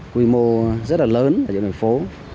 quy mô rất là lớn ở những nơi phố